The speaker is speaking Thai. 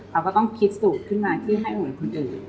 เราก็ต้องคิดสุดขึ้นมาที่ไม่เหมือนคนอื่น